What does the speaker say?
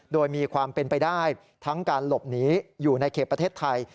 โดยมีความเป็นไปได้ทั้งการหลบหนีอยู่ในเขตประเทศไทย